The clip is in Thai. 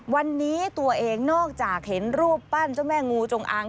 วันนี้ตัวเองนอกจากเห็นรูปปั้นเจ้าแม่งูจงอาง